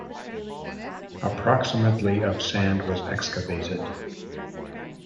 Approximately of sand was excavated.